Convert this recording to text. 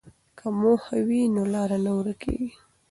که موخه وي نو لاره نه ورکېږي.